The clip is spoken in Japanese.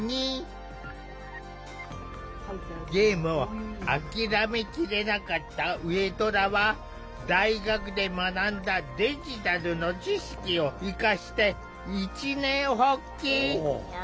ゲームを諦めきれなかった上虎は大学で学んだデジタルの知識を生かして一念発起。